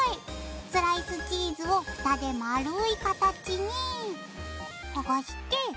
スライスチーズを蓋で丸い形にはがして。